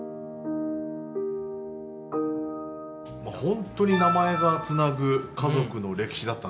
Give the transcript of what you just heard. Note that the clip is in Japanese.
本当に名前がつなぐ家族の歴史だったね。